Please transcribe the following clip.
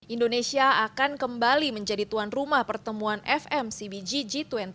indonesia akan kembali menjadi tuan rumah pertemuan fm cbjg